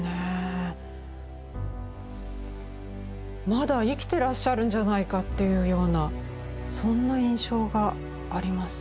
まだ生きてらっしゃるんじゃないかっていうようなそんな印象があります。